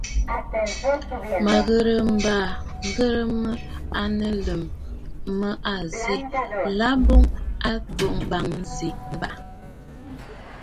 Mə̀ ghɨrə mbaaa ŋghə mə à nɨ Lum mə a zì, làʼ̀à boŋ a bàŋnə zi Nɨbàʼà.